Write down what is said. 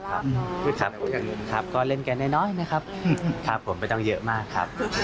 ขอบคุณครับก็เล่นกันน้อยนะครับครับผมไม่ต้องเยอะมากครับ